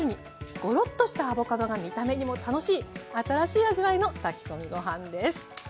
ゴロッとしたアボカドが見た目にも楽しい新しい味わいの炊き込みご飯です。